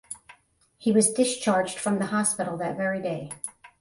He was discharged from the hospital that very day.